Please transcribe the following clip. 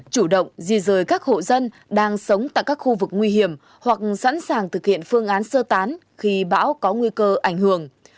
chủ động di rời các hộ dân đang sống tại các khu vực nguy hiểm hoặc sẵn sàng thực hiện phương án sơ tán khi bão có nguy cơ ảnh hưởng